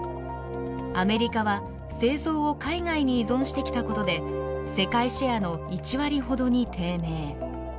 アメリカは製造を海外に依存してきたことで世界シェアの１割ほどに低迷。